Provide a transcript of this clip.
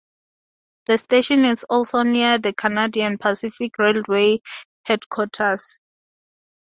The station is also near the Canadian Pacific Railway headquarters.